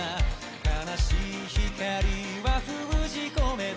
「悲しい光は封じ込めて」